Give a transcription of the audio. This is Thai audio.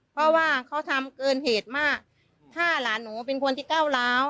เพราะว่าเขาทำเกินเหตุมากถ้าหลานหนูเป็นคนที่ก้าวร้าว